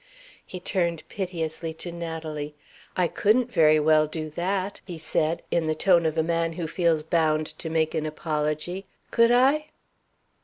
He turned piteously to Natalie. "I couldn't very well do that," he said, in the tone of a man who feels bound to make an apology, "could I?"